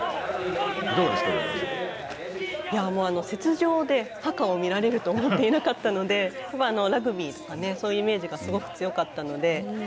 雪上でハカを見られると思っていなかったのでラグビーとかそういうイメージがすごく強かったので。